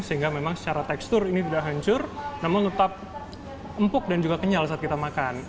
sehingga memang secara tekstur ini tidak hancur namun tetap empuk dan juga kenyal saat kita makan